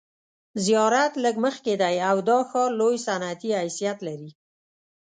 زیارت لږ مخکې دی او دا ښار لوی صنعتي حیثیت لري.